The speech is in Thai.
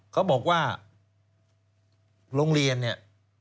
เขาบอกว่าโรงเรียนเนี่ย